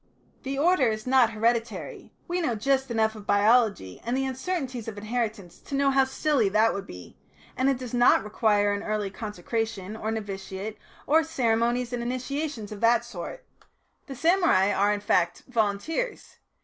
The order is not hereditary we know just enough of biology and the uncertainties of inheritance to know how silly that would be and it does not require an early consecration or novitiate or ceremonies and initiations of that sort. The samurai are, in fact, volunteers.